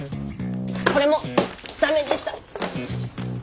これも駄目でした。